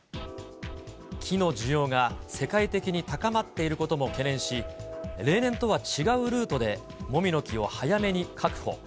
木の需要が世界的に高まっていることも懸念し、例年とは違うルートでもみの木を早めに確保。